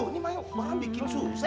ini mah yang ngobrol yang bikin susah